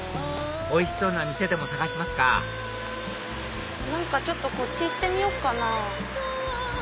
おいしそうな店でも探しますか何かちょっとこっち行ってみよっかな。